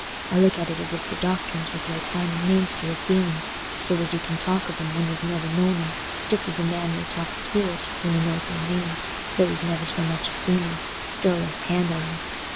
I look at it as if the doctrines was like finding names for your feelings, so as you can talk of 'em when you've never known 'em, just as a man may talk o' tools when he knows their names, though he's never so much as seen 'em, still less handled 'em.